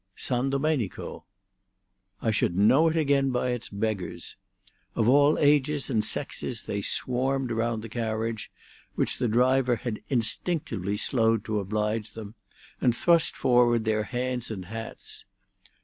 "San Domenico." "I should know it again by its beggars." Of all ages and sexes they swarmed round the carriage, which the driver had instinctively slowed to oblige them, and thrust forward their hands and hats.